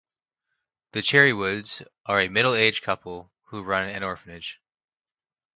The Cherrywoods are a middle-aged couple who run an orphanage.